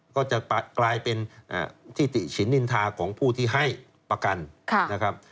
ก็จะกลายเป็นทิติฉินนินทาของผู้ที่ให้ประกันนะครับ